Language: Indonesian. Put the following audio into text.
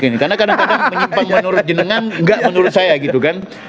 karena kadang kadang menyimpang menurut jenengan nggak menurut saya gitu kan